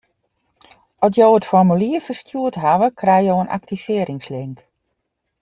At jo it formulier ferstjoerd hawwe, krijge jo in aktivearringslink.